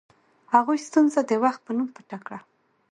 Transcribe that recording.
هغوی ستونزه د وخت په نوم پټه کړه.